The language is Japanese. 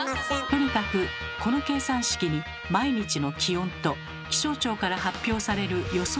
とにかくこの計算式に毎日の気温と気象庁から発表される予想